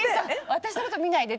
私のこと見ないで。